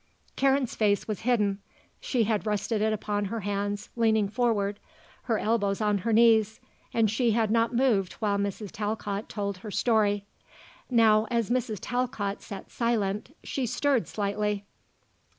Karen's face was hidden; she had rested it upon her hands, leaning forward, her elbows on her knees, and she had not moved while Mrs. Talcott told her story. Now, as Mrs. Talcott sat silent, she stirred slightly.